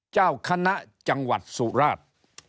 เจ้าคณะจังหวัดสุราช